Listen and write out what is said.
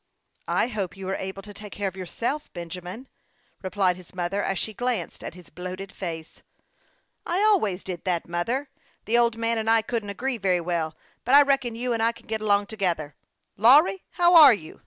" I hope you are able to take care of yourself, 11 122 HASTE AND WASTE, OR Benjamin," replied his mother, as she glanced at his bloated face. " I always did that, mother. The old man and I couldn't agree very well, but I reckon you and I can get along together. Lavvry, how are you ?